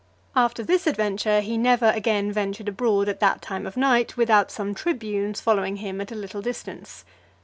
After this adventure, he never again ventured abroad at that time of night, without some tribunes following him at a little distance.